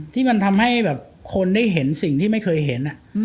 ที่มันทำให้แบบคนได้เห็นสิ่งที่ไม่เคยเห็น